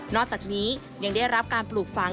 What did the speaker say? อกจากนี้ยังได้รับการปลูกฝัง